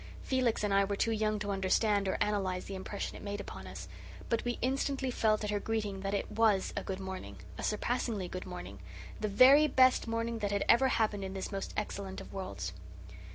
Felix and I were too young to understand or analyze the impression it made upon us; but we instantly felt at her greeting that it WAS a good morning a surpassingly good morning the very best morning that had ever happened in this most excellent of worlds.